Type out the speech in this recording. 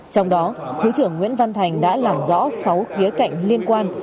trong đó thứ trưởng nguyễn văn thành đã làm rõ sáu khía cạnh liên quan